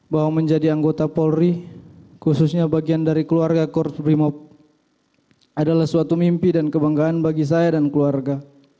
bahwa menjadi anggota polri khususnya bagian dari keluarga korprimob adalah suatu mimpi dan kebanggaan bagi saya dan keluarga